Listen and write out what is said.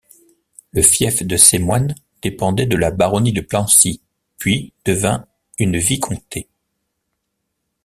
Le fief de Sémoine dépendait de la baronnie de Plancy puis devint une vicomté.